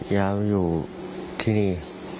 ยาวอยู่ที่นี่